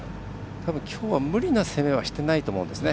たぶん、きょうは無理な攻めはしてないと思うんですね。